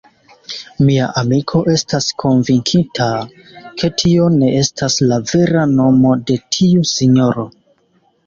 Mia amiko estas konvinkita, ke tio ne estas la vera nomo de tiu sinjoro.